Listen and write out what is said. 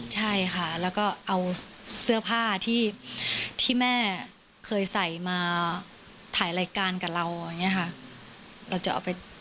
ใช่ค่ะแล้วก็เอาเสื้อผ้าที่แม่เคยใส่มาถ่ายรายการกับเรา